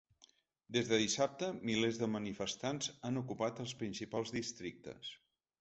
Des de dissabte, milers de manifestants han ocupat els principals districtes.